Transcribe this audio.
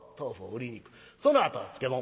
そのあとは漬物。